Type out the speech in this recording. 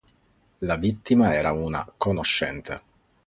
La vittima era una conoscente.